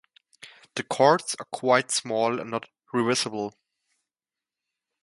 The cards are quite small and not reversible.